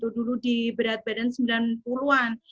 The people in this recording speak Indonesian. dulu di berat badan sembilan puluh an